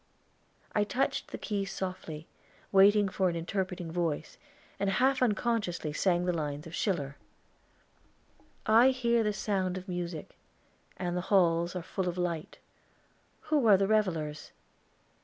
I touched the keys softly, waiting for an interpreting voice, and half unconsciously sang the lines of Schiller: "I hear the sound of music, and the halls Are full of light. Who are the revelers?"